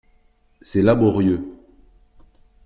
C’est laborieux